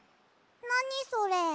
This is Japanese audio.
なにそれ？